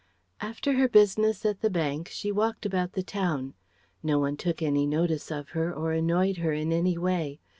After her business at the bank she walked about the town. No one took any notice of her or annoyed her in any way.